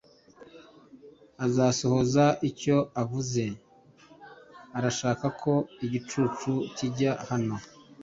azasohoza icyo avuze urashaka ko igicucu kijya hano